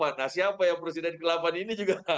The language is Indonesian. nah siapa yang presiden ke delapan ini juga